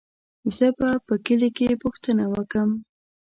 زه به په کلي کې پوښتنه وکم.